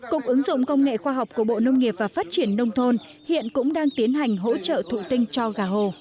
cục ứng dụng công nghệ khoa học của bộ nông nghiệp và phát triển nông thôn hiện cũng đang tiến hành hỗ trợ thụ tinh cho gà hồ